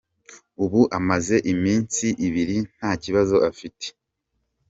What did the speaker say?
Ubu amaze iminsi ibiri nta kibazo afite.